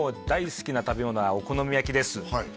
大好きな食べ物はお好み焼きです